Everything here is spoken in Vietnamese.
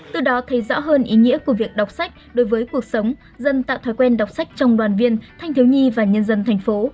từ đó thấy rõ hơn ý nghĩa của việc đọc sách đối với cuộc sống dân tạo thói quen đọc sách trong đoàn viên thanh thiếu nhi và nhân dân thành phố